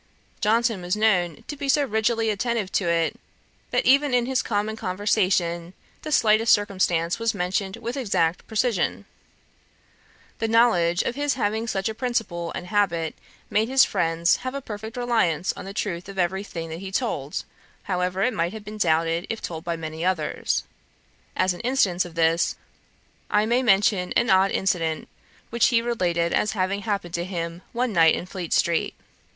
Johnson was known to be so rigidly attentive to it, that even in his common conversation the slightest circumstance was mentioned with exact precision. The knowledge of his having such a principle and habit made his friends have a perfect reliance on the truth of every thing that he told, however it might have been doubted if told by many others. As an instance of this, I may mention an odd incident which he related as having happened to him one night in Fleet street.